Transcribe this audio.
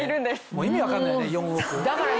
もう意味分かんないね４億。